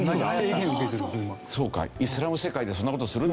そうかイスラム世界でそんな事するなと。